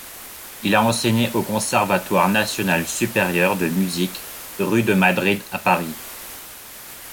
Il a enseigné au Conservatoire National Supérieur de musique, rue de Madrid à Paris.